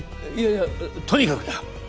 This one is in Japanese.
いやとにかくだ。